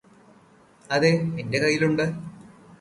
അതെ എന്റെ കയ്യിലുണ്ട്